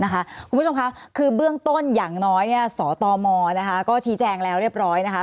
คุณผู้ชมค่ะคือเบื้องต้นอย่างน้อยสตมก็ชี้แจงแล้วเรียบร้อยนะคะ